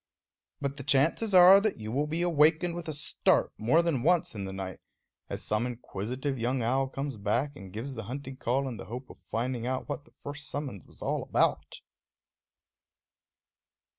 But the chances are that you will be awakened with a start more than once in the night, as some inquisitive young owl comes back and gives the hunting call in the hope of finding out what the first summons was all about.